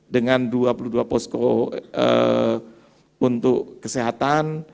dengan dua puluh dua posko untuk kesehatan